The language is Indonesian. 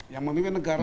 yang memimpin negara